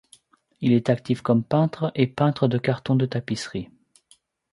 Il est actif comme peintre et peintre de cartons de tapisserie.